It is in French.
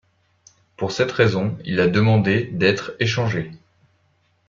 Pour cette raison, il a demandé d'être échangé.